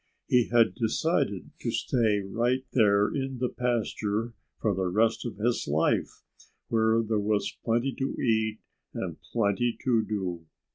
He had decided to stay right there in the pasture for the rest of his life, where there was plenty to eat and plenty to do.